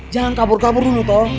jangan kabur kabur dulu toh